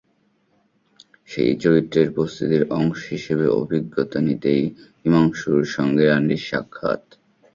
সেই চরিত্রের প্রস্তুতির অংশ হিসেবে অভিজ্ঞতা নিতেই হিমাংশুর সঙ্গে রানীর সাক্ষাৎ।